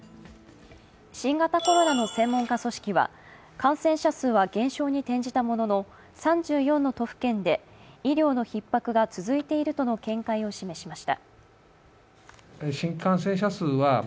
新型コロナの専門家組織は、感染者数は減少に転じたものの３４の都府県で医療のひっ迫が続いているとの見解を示しました。